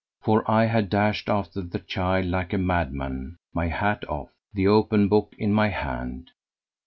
For I had dashed after the child like a madman, my hat off, the open book in my hand.